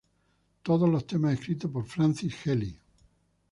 Todos los temas escritos por Francis Healy.